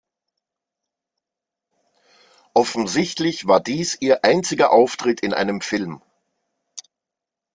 Offensichtlich war dies ihr einziger Auftritt in einem Film.